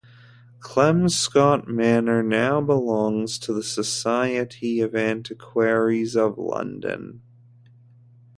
Kelmscott Manor now belongs to the Society of Antiquaries of London.